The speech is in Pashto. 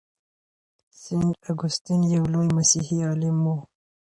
سینټ اګوستین یو لوی مسیحي عالم و.